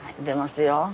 出ますよ。